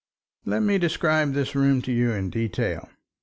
Let me describe this room to you in detail.